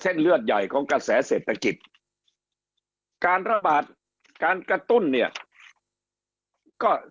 เลือดใหญ่ของกระแสเศรษฐกิจการระบาดการกระตุ้นเนี่ยก็